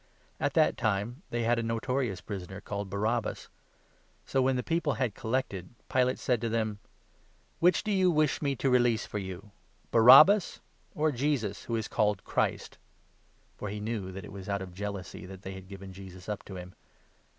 At that time they had a notorious prisoner called Barabbas. So, when the people had collected, Pilate said to them :" Which do you wish me to release for you ? Barabbas ? or Jesus who is called ' Christ '?" For he knew that it was out of jealousy that they had given Tesus up to him.